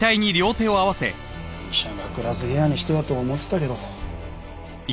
医者が暮らす部屋にしてはと思ってたけど。